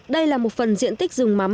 đây là một phần diện tích rừng mắm